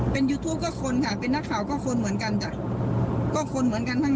เป็นยูทูปก็คนค่ะเป็นนักข่าวก็คนเหมือนกันจ้ะก็คนเหมือนกันทั้ง